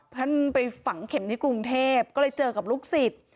ท่านไปฝังเข็มที่กรุงเทพก็เลยเจอกับลูกศิษย์